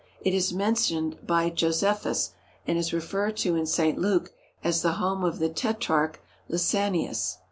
It is mentioned by Josephus and is referred to in St. Luke as the home of the tetrarch Lysanias.